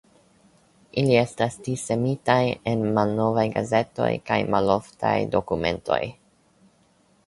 Ili estas dissemitaj en malnovaj gazetoj kaj maloftaj dokumentoj.